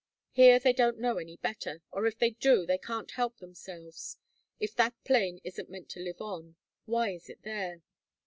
Here they don't know any better, or if they do they can't help themselves. If that plane isn't meant to live on, why is it there?